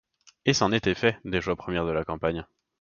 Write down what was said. Et c'en était fait, des joies premières de la campagne.